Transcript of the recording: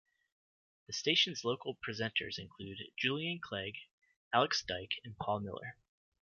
The station's local presenters include Julian Clegg, Alex Dyke and Paul Miller.